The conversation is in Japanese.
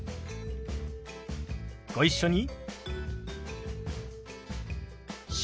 ご一緒に。